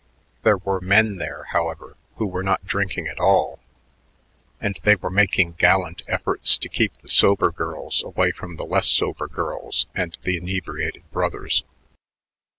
There were men there, however, who were not drinking at all, and they were making gallant efforts to keep the sober girls away from the less sober girls and the inebriated brothers.